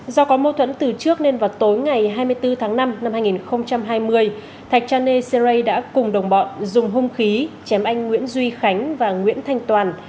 do có mâu thuẫn từ trước nên vào tối ngày hai mươi bốn tháng năm năm hai nghìn hai mươi thạch chane sere đã cùng đồng bọn dùng hung khí chém anh nguyễn duy khánh và nguyễn thanh toàn